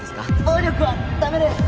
暴力はダメ！です。